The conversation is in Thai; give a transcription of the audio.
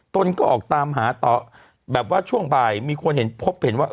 ตนก็ออกตามหาต่อแบบว่าช่วงบ่ายมีคนเห็นพบเห็นว่า